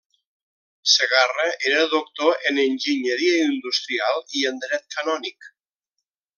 Segarra era doctor en Enginyeria Industrial i en Dret Canònic.